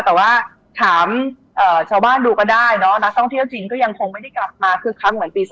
แต่ว่าถามชาวบ้านดูก็ได้เนาะนักท่องเที่ยวจีนก็ยังคงไม่ได้กลับมาคึกคักเหมือนปี๒๕